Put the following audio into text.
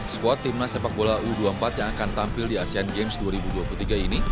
squad timnas sepak bola u dua puluh empat yang akan tampil di asean games dua ribu dua puluh tiga ini